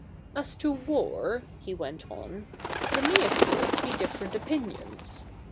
' As to war,' he went on, ' there may of course be different opinions.